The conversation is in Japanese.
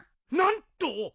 何と！